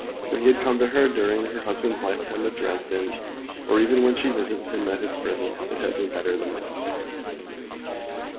When he had come to her during her husband's lifetime at Dresden, or even when she had visited him at his prison, it had been better than this.